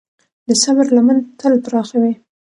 د صبر لمن تل پراخه وي.